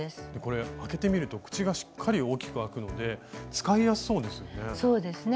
これ開けてみると口がしっかり大きく開くので使いやすそうですよね。